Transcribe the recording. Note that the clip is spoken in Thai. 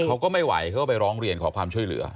เขาก็ไม่ไหวเขาก็ไปร้องเรียนขอความช่วยเหลือ